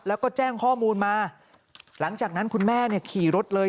แล้วก็แจ้งข้อมูลมาหลังจากนั้นคุณแม่เนี่ยขี่รถเลย